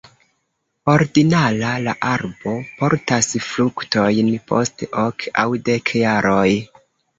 Ordinara la arbo portas fruktojn post ok aŭ dek jaroj.